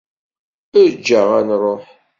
Eǧǧ-aɣ ad nruḥ!